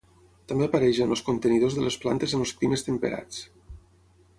També apareix en els contenidors de les plantes en els climes temperats.